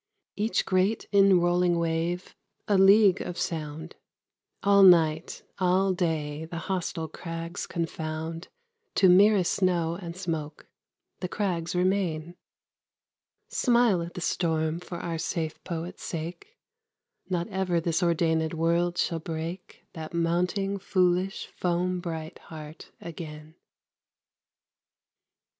Each great inrolling wave, a league of sound, All night, all day, the hostile crags confound To merest snow and smoke. The crags remain. Smile at the storm for our safe poet's sake! Not ever this ordainèd world shall break That mounting, foolish, foam bright heart again.